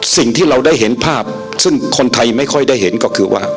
สิ่งที่เราได้เห็นภาพซึ่งคนไทยไม่ค่อยได้เห็นก็คือว่า